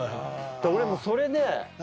で俺もうそれで。